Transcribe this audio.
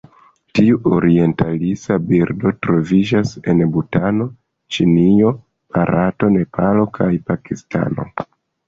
Tiu orientalisa birdo troviĝas en Butano, Ĉinio, Barato, Nepalo kaj Pakistano.